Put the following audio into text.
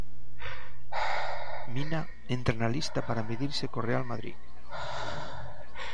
Mina entra na lista para medirse co Real Madrid.